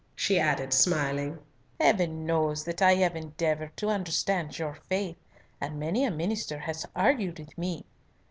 She added, smiling, "Heaven knows that I have endeavoured to understand your faith, and many a minister has argued with me.